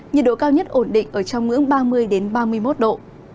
nhiệt độ cao nhất ổn định ở trong ngưỡng ba mươi ba mươi một độ